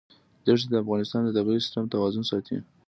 دښتې د افغانستان د طبعي سیسټم توازن ساتي.